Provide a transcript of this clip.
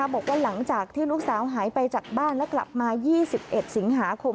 บอกว่าหลังจากที่ลูกสาวหายไปจากบ้านและกลับมา๒๑สิงหาคม